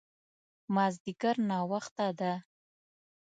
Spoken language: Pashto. مازديګر ناوخته ده